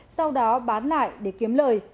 sau đó bán lại để kiếm lời